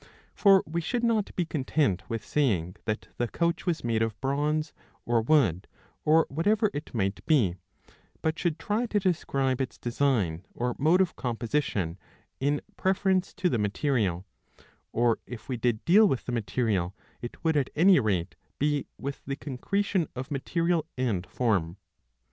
For we should not be content with saying that the couch was made of bronze or' wood or whatever it might be, but should try to describe its design or mode of composition in preference to the material ; or, if we did deal with the material, it would at any rate be with the concretion of material and form.